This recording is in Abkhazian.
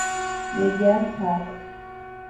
Иагьа рҳәап!